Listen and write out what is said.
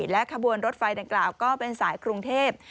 และขบวนรถไฟดังกล่าวก็เป็นสายกรุงเทพ